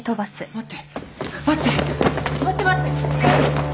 待って待って！